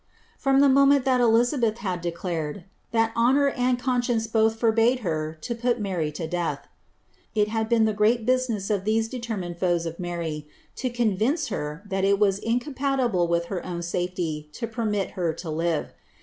From the moment thai E xlared that "hononr and eon science both forbade her lo |„...„ death," it had been the ftsat business of these determined foes of Mary, to convince her that it ivas incompatible with her own safety to permit her to live.